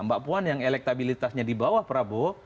mbak puan yang elektabilitasnya di bawah prabowo